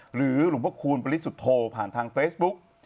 หรือหลุมพระคูณปริศุโธผ่านทางเฟซบุ๊ก